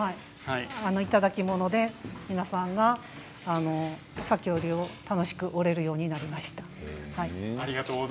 いただきもので皆さんが裂織を楽しく織れるようになりました。